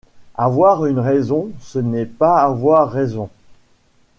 Avoir une raison, ce n’est pas avoir raison.